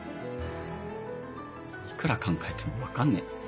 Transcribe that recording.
いくら考えても分かんねえ。